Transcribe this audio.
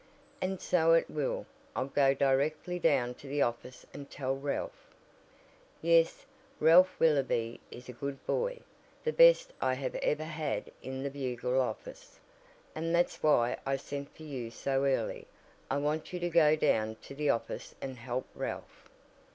"And so it will. I'll go directly down to the office and tell Ralph." "Yes, Ralph Willoby is a good boy the best I have ever had in the Bugle office. And that's why I sent for you so early. I want you to go down to the office and help Ralph."